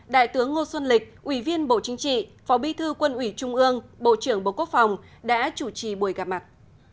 đại tướng ngô xuân lịch ủy viên bộ chính trị phó bi thư quân ủy trung ương bộ trưởng bộ quốc phòng đã chủ trì buổi gặp mặt